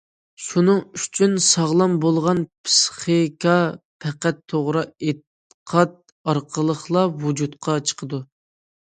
شۇنىڭ ئۈچۈن، ساغلام بولغان پىسخىكا پەقەت توغرا ئېتىقاد ئارقىلىقلا ۋۇجۇدقا چىقىدۇ.